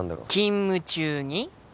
勤務中に？